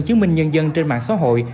chứng minh nhân dân trên mạng xã hội